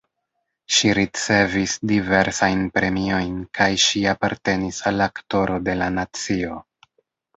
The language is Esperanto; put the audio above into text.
Ŝi ricevis diversajn premiojn kaj ŝi apartenis al Aktoro de la nacio.